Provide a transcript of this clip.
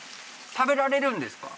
食べられるんですか？